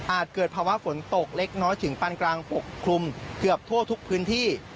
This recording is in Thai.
เกิดภาวะฝนตกเล็กน้อยถึงปานกลางปกคลุมเกือบทั่วทุกพื้นที่